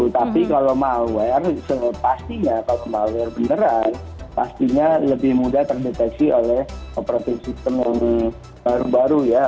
tapi kalau malware sepastinya kalau malware beneran pastinya lebih mudah terdeteksi oleh operating system yang baru baru ya